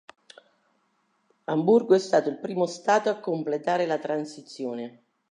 Amburgo è stato il primo Stato a completare la transizione.